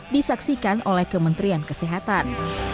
disaksikan oleh kementerian kesehatan